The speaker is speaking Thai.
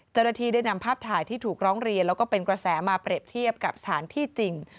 เจ้าหน้าที่ได้นำภาพถ่ายที่ถูกร้องเรียนแล้วก็เป็นกระแสมาเปรียบเทียบกับสถานที่จริง